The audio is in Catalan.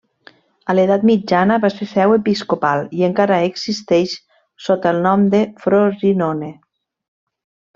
A l'edat mitjana va ser seu episcopal i encara existeix sota el nom de Frosinone.